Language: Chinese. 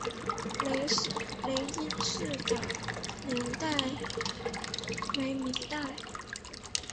雷音寺的历史年代为明代。